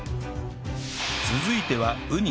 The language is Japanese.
続いてはウニ